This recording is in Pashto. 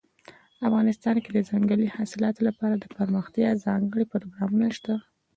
افغانستان کې د ځنګلي حاصلاتو لپاره دپرمختیا ځانګړي پروګرامونه شته.